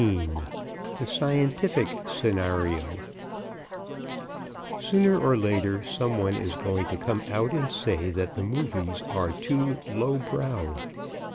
XIX THE SCIENTIFIC SCENARIO Sooner or later some one is going to come out and say that the movies are too low brow.